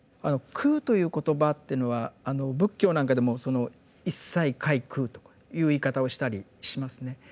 「空」という言葉っていうのはあの仏教なんかでもその「一切皆空」という言い方をしたりしますね。